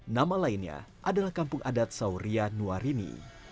nama lainnya adalah kampung adat sauria nuarini